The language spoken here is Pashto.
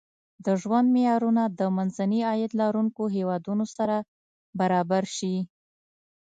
د ژوند معیارونه د منځني عاید لرونکو هېوادونو سره برابر شي.